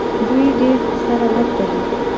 دوی ډېر سره ورته دي.